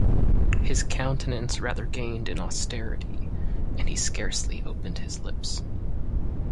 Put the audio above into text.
His countenance rather gained in austerity; and he scarcely opened his lips.